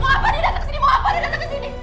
mau apa dia datang kesini mau apa dia datang kesini